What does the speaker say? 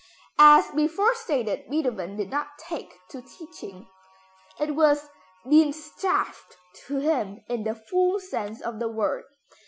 As before stated Beethoven did not take to teaching. It was Dientschaft to him in the full sense of the word.